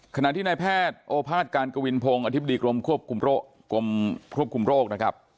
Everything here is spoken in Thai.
ขณะที่นายแพทย์โอภาษการกวินพงศ์อธิบดีกรมควบคุมโรคนะครับ